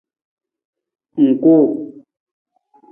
Ng kuu.